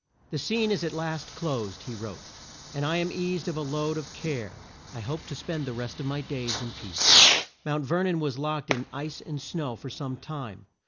"The scene is at last closed," he wrote, "and I am eased of a load of care. I hope to spend the rest of my days in peace." Mount Ver non was locked in ice and snow for some time.